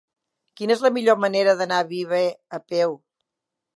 Quina és la millor manera d'anar a Viver a peu?